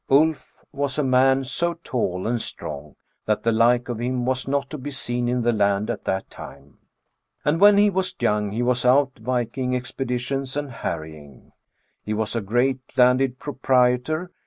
Ulf was a man so tall and strong that the like of him was not to be seen in the land at that time. And when he was young he was out viking expeditions and harrying ... He was a great landed proprietor.